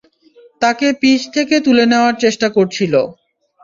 তাকে পিচ থেকে তুলে নেওয়ার চেষ্টা করছিল।